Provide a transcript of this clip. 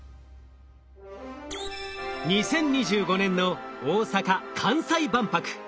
２０２５年の大阪・関西万博。